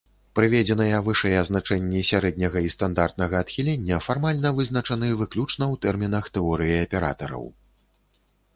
Прыведзеныя вышэй азначэнні сярэдняга і стандартнага адхілення фармальна вызначаны выключна ў тэрмінах тэорыі аператараў.